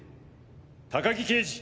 高木刑事！